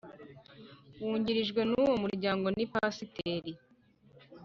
Wungirije w uwo Muryango ni Pasiteri